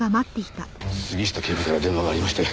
杉下警部から電話がありまして。